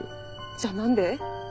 じゃあ何で？